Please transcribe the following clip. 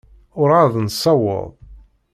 Ur εad nessaweḍ.